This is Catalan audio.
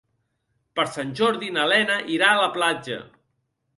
Per Sant Jordi na Lena irà a la platja.